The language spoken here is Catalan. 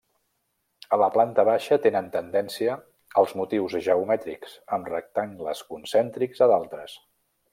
A la planta baixa tenen tendència als motius geomètrics, amb rectangles concèntrics a d'altres.